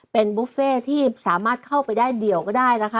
เป็นบุฟเฟ่ที่สามารถเข้าไปได้เดี่ยวก็ได้นะคะ